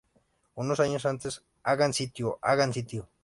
Unos años antes "¡Hagan sitio!, ¡hagan sitio!